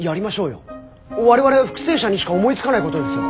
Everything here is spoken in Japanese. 我々復生者にしか思いつかないことですよ